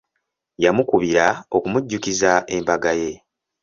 Yamukubira okumujjukiza embaga ye.